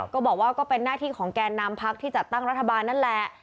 ก็บอกว่าก็เป็นหน้าที่ของแกนนำพักที่จัดตั้งรัฐบาลนั่นแหละ